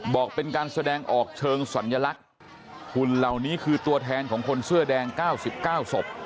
บอกเป็นการแสดงออกเชิงสัญลักษณ์หุ่นเหล่านี้คือตัวแทนของคนเสื้อแดง๙๙ศพ